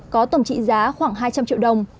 có tổng trị giá khoảng hai trăm linh triệu đồng